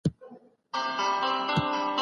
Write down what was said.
اسلام خلګو ته محدود ملکيت ورکړی دی.